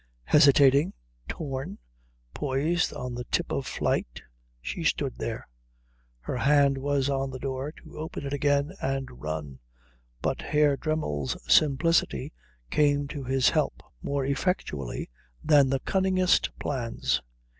Hesitating, torn, poised on the tip of flight, she stood there. Her hand was on the door to open it again and run; but Herr Dremmel's simplicity came to his help more effectually than the cunningest plans.